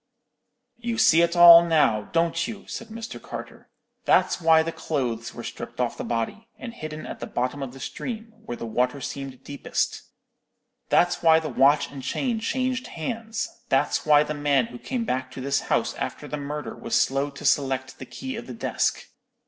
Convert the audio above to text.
"'You see it all now, don't you?' said Mr. Carter; 'that's why the clothes were stripped off the body, and hidden at the bottom of the stream, where the water seemed deepest; that's why the watch and chain changed hands; that's why the man who came back to this house after the murder was slow to select the key of the desk.